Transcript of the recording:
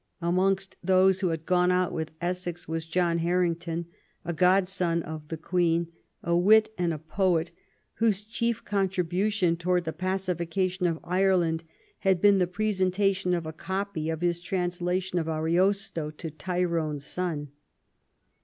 Amongst those who had gone out with Essex was John Harrington, a godson of the Queen, a wit and a poet, whose chief contribution towards the pacification of Ireland had been the presentation of a copy of his translation of Ariosto to Tyrone's son.